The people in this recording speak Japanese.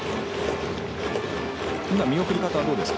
見送り方はどうですか。